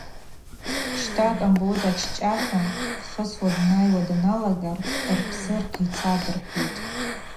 Щта, Къамбот ачӏчӏа – хӏва дхысуа днайуа даналага рпсы рхъицатӏ – рхӏвитӏ.